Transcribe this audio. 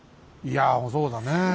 いやそうだね。